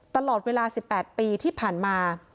ตลอดเวลา๑๘ปีที่ผ่านมา